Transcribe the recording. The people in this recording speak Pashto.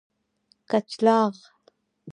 کچلاغ